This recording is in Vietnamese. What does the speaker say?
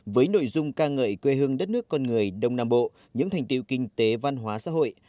với nội dung ca ngợi quê hương đất nước con người đông nam bộ những thành tiệu kinh tế văn hóa xã hội